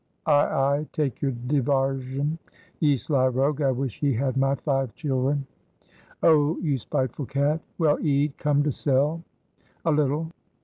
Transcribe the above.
"Ay! ay! take your divairsion, ye sly rogue! I wish ye had my five childhre." "Oh! you spiteful cat!" "Well, Ede, come to sell?" "A little."